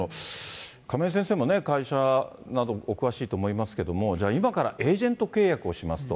亀井先生も会社などお詳しいと思いますけれども、じゃあ、今からエージェント契約をしますと。